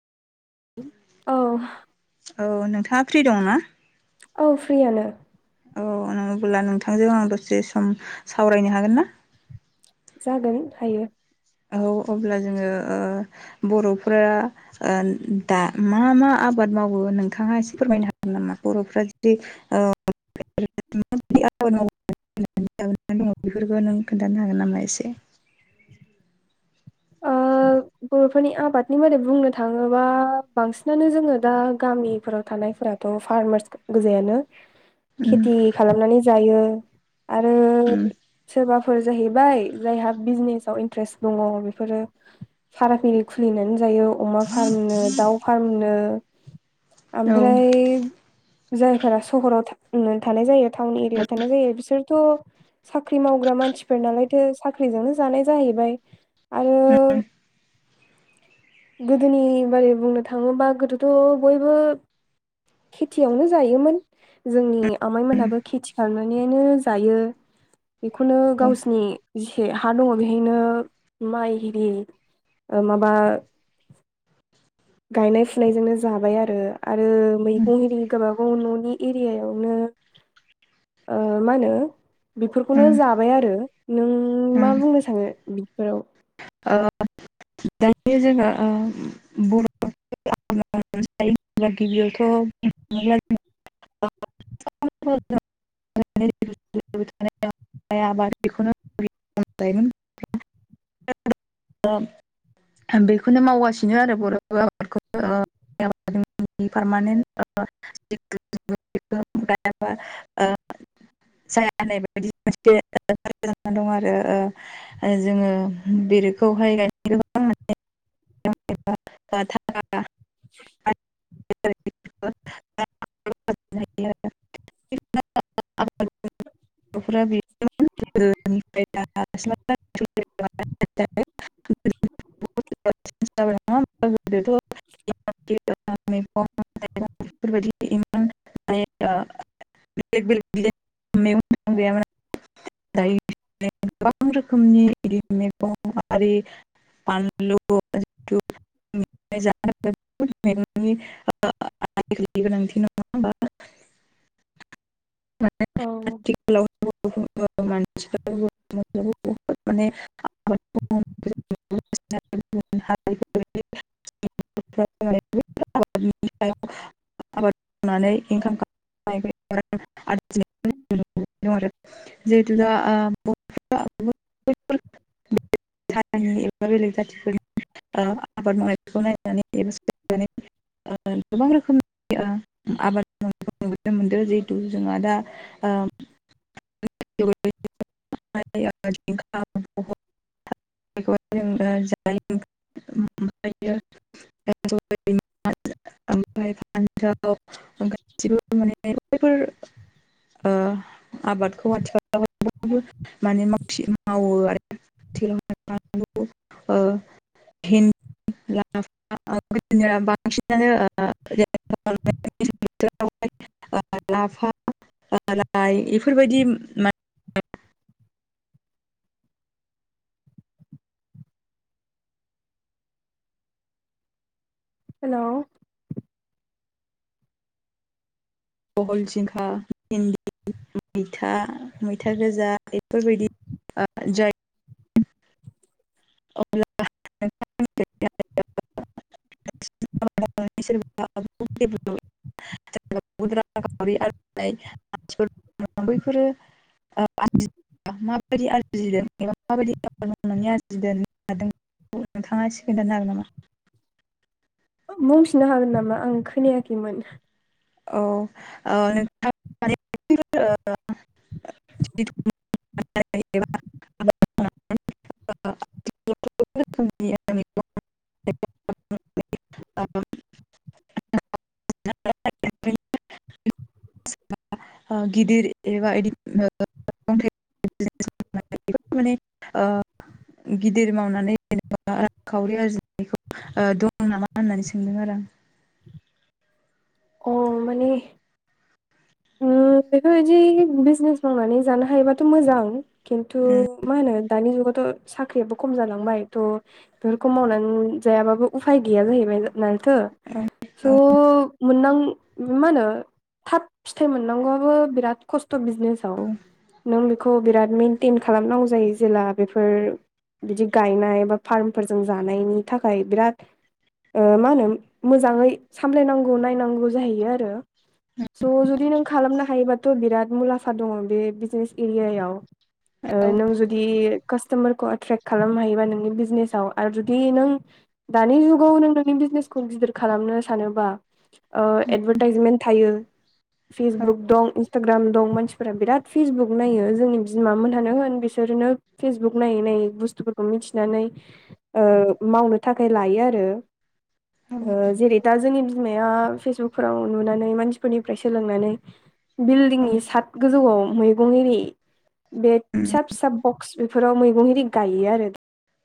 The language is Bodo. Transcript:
औ औ नोंथाङा फ्रि दं ना औ फ्रियानो औ अबोब्ला नोंथांजों आं दसे सम सावरायनो हागोन ना? जागोन हायो। औ अब्ला जोङो ओ बर'फोरा ओ दा मा मा आबा बाद मावो नोंथाङा एसे फोरमायनो हागोन नामा बर'फ्रा जुदि ओ [unintelligible] [unintelligible] बेफोरखौ नों खोन्थानो हागोन नामा एसे? ओ [inaudible] बर'फोरनि आबादनि बारै बुंनो थाङोबा बांसिनानो जोङो दा गामिफोराव थानाय फोराथ' फार्मार्स गोजायानो उम खेथि खालामनानै जायो आरो उम सोरबाफोर जाहैबाय जायहा बिजनेसाव इन्ट्रेस्ट दङ बेफोरो फाराग एरि खुलिनानै जायो अमा फार्मनो दाउ फार्मनो औ ओमफ्राय जायफोरा सहराव थानाय जायो टाउन एरियायाव थानाय जायो बिसोरथ' साख्रि मावग्रा मानसिफोर नालायथो साख्रिजोंनो जानाय जाहैबाय आरो उम गोदोनि बारै बुंनो थाङोबा गोदोथ' बयबो खेथियावनो जायोमोन जोंनि आमाइ मोनहाबो खेथि खालामनानैनो जायो बेखौनो गावसोरनि जेसे हा दङ बेहायनो माइ एरि माबा [unintelligible] गायनाय फुनायजोंनो जाबाय आरो आरो उम मैगं एरि गाबागाव न'नि एरियायावनो [unintelligible] आ मा होनो बेफोरखौनो उम उम जाबाय आरो नों मा बुंनो सानो बिफोराव [unintelligible] जोंहा बर' [unintelligible] [unintelligible] आबाद बेखौनो [unintelligible] बेखौनो मावगासिनो आरो बर' आबादखौ ओ एकडेमिनि पारमानेन्ट [unintelligible] [unintelligible] [unintelligible] आरो जोङो बेरोखौहाय [unintelligible] दा [unintelligible] [unintelligible] गथ'फोरा [unintelligible] [unintelligible] [unintelligible] बेफोरबायदि [unintelligible] [unintelligible] गोबां रोखोमनि मैगं आरि [unintelligible] [unintelligible] गोनांथि नङा होमबा औ [unintelligible] [unintelligible] मानसिफोरबो माने [unintelligible] [unintelligible] [unintelligible] आबाद मावनानै इनकाम [unintelligible] [unintelligible] आरो जिहेथु दा [unintelligible] नि एबा बेलेग जाथिफोरनि आबाद मावनायखौ नाय [unintelligible] [unintelligible] एबा गोबां रोखोम आबाद मावनायखौ नुनो मोनदों जिहेथु जोंहा दा [unintelligible] [unintelligible] [unintelligible] [unintelligible] ओमफ्राय फान्जाव गासिबो माने बेफोर आबादखौ आथिखालाव [unintelligible] माने माव मावो आरो ओ [unintelligible] [unintelligible] [unintelligible] लाफा लाइ बेफोरबायदि [unintelligible] हेलौ बहल जिंखा भिनदि मैथा मैथा गोजा बेफोरबायदि जाय अब्ला [unintelligible] [unintelligible] [unintelligible] बैफोरो [unintelligible] माबायदि आरजिदों एबा माबायदि आरजिदों [unintelligible] [unintelligible] हादों नोंथाङा खोनथानो हागोन नामा बुंफिनो हागोन नामा आं खोनायाखैमोन। औ ओ नोंथां [unintelligible] [unintelligible] [unintelligible] [unintelligible] [unintelligible] गिदिर एबा इदि [unintelligible] [unintelligible] माने ओ [unintelligible] गिदिर मावनानै जेनेबा रांखावरि आरजिनायखौ दं नामा होननानै सोंदों आरो आं [inaudible] अ माने उम [inaudible] बेफोरबायदि बिजनेस मावनानै जानो हायोबाथ' मोजां खिन्थु मा होनो दानि जुगाव थ' साख्रियाबो खम जालांबाय थ' बेफोरखौ मावनानै जायाबाबो उफाय गैया जाहैबाय न माथो स' मोनदां मा होनो थाब फिथाइ मोननांगौआबो बिराद खस्थ' बिजनेसाव आं औ नों खौ बिराद मेइनटेइन खालामनांगौ जायो जेला बेफोर बिदि गायनाय बा फार्मफोरजों जानायनि थाखाय बिराद मा होनो मोजाङै सामलायनांगौ नायनांगौ जाहैयो आरो बि मुलामफा दङ बे बिजने एर नों जुदि कास्ट कासटमारखौ एट्रेक्ट खालामनो हायोबा नोंनि बिजनेसाव आरो जुदि नों दानि जुगाव नों नोंनि बिजनेस खौ गिदिर खालामनो सानोबा ओ एडभार्टाइजमेन्ट थायो औ फेसबुक दं इन्सटाग्राम दं मानसिफोरा बिराद फेसबुक नायो जोंनि बिमाोनहानो होन बिस बिसोरनो फेसबुक नायै नायै बुस्थुफोरखौ मिथिनानै मावनो थाखाय लायो आरो। औ उम जेरै दा जोंनि बिमाया फेसबुकफोराव नुनानै मानसिफोरनि फ्राय सोलोंनानै बिल्डिंनि सात गोजौआव मैगं एरि बे फिसा फिसा बक्स बेफोराव मैगं एरि गायो आरो।